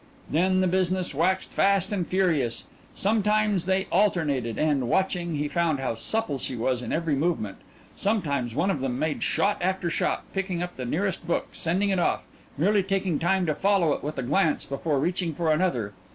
Then the business waxed fast and furious sometimes they alternated, and, watching, he found how supple she was in every movement; sometimes one of them made shot after shot, picking up the nearest book, sending it off, merely taking time to follow it with a glance before reaching for another.